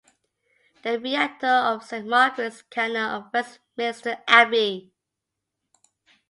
The Rector of Saint Margaret's is a canon of Westminster Abbey.